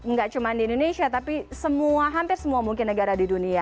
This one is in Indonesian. nggak cuma di indonesia tapi hampir semua mungkin negara di dunia